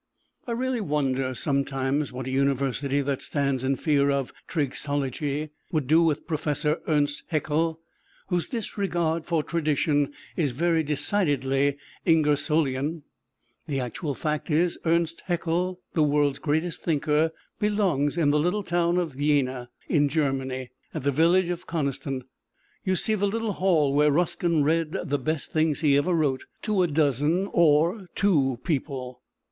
I really wonder sometimes what a University that stands in fear of Triggsology would do with Professor Ernst Haeckel, whose disregard for tradition is very decidedly Ingersollian! The actual fact is, Ernst Haeckel, the world's greatest thinker, belongs in the little town of Jena, in Germany. At the village of Coniston, you see the little hall where Ruskin read the best things he ever wrote, to a dozen or two people.